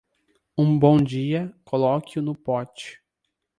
Um bom dia, coloque-o no pote.